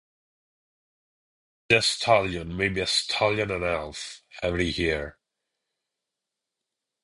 You need a stallion, maybe a stallion and a half, every year.